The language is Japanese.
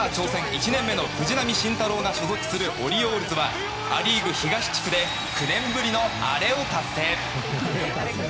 １年目の藤浪晋太郎が所属するオリオールズはア・リーグ東地区で９年ぶりのアレを達成！